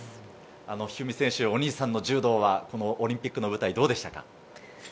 一二三選手、お兄さんの柔道はオリンピックの舞台、どうでしたか？